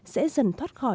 sẽ dần thoát khỏi